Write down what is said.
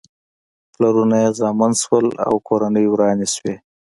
پلرونه بې زامنو شول او کورنۍ ورانې شوې.